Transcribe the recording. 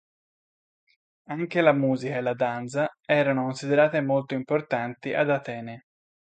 Anche la musica e la danza erano considerate molto importanti ad Atene.